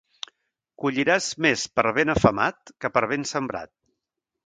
Colliràs més per ben afemat que per ben sembrat.